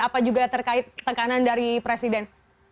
apa juga terkait tekanan dari presiden